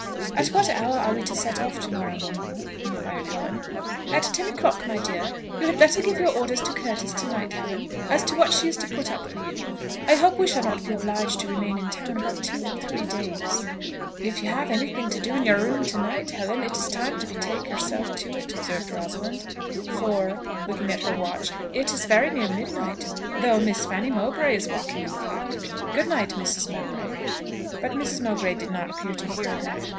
"At what hour are we to set off to morrow, mamma?" inquired Helen. "At ten o'clock, my dear. You had better give your orders to Curtis to night, Helen, as to what she is to put up for you. I hope we shall not be obliged to remain in town above two or three days." "If you have any thing to do in your room to night, Helen, it is time to betake yourself to it," observed Rosalind; "for," looking at her watch, "it is very near midnight, though Miss Fanny Mowbray is walking in the Park. Good night, Mrs. Mowbray." But Mrs. Mowbray did not appear to hear her.